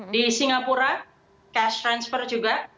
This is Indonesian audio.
di singapura cash transfer juga